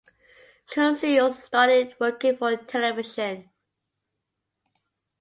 Kunze also started working for television.